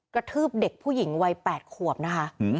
กระทืบเด็กผู้หญิงวัย๘ขวบนะคะ